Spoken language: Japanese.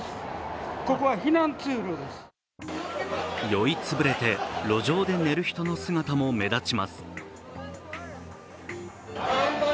酔いつぶれて路上で寝る人の姿も目立ちます。